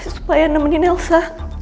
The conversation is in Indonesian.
supaya nemenin elsa